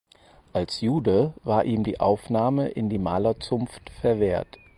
Als Jude war ihm die Aufnahme in die Malerzunft verwehrt.